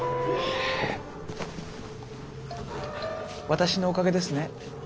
私のおかげですね。